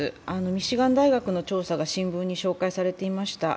ミシガン大学の調査が新聞に紹介されていました。